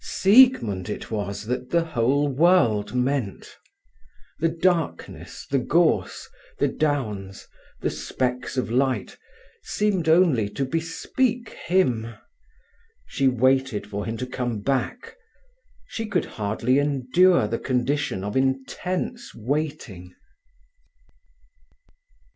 Siegmund it was that the whole world meant. The darkness, the gorse, the downs, the specks of light, seemed only to bespeak him. She waited for him to come back. She could hardly endure the condition of intense waiting.